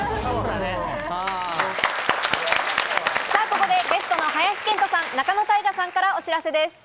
ここでゲストの林遣都さん、仲野太賀さんからお知らせです。